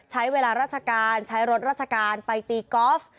ใช้เวลาราชการใช้รถราชการไปตีกอล์ฟ